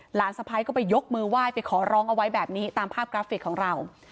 สะพ้ายก็ไปยกมือไหว้ไปขอร้องเอาไว้แบบนี้ตามภาพกราฟิกของเรา